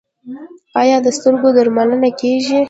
آیا د سترګو درملنه کیږي؟